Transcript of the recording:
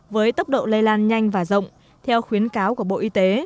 với tốc độ lây lan nhanh và rộng theo khuyến cáo của bộ y tế